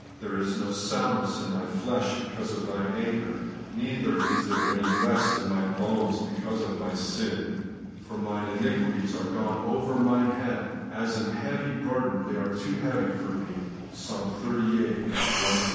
There is no soundness in my flesh because of Thine anger, neither is there any rest in my bones because of my sin. For mine iniquities are gone over mine head ; as an heavy burden, they are too heavy for me ' (Ps. xxxviii. 1 4). .